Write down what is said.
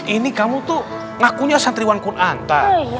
ini kamu tuh ngakunya santriwan qur'an tak